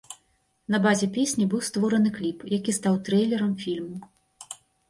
На базе песні быў створаны кліп, які стаў трэйлерам фільму.